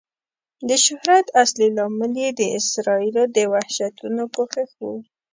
د شهرت اصلي لامل یې د اسرائیلو د وحشتونو پوښښ و.